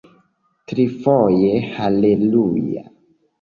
Trifoje haleluja!